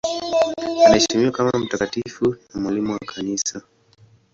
Anaheshimiwa kama mtakatifu na mwalimu wa Kanisa.